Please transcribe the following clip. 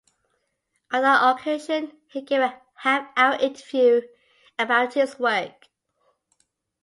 On that occasion he gave a half-hour interview about his work.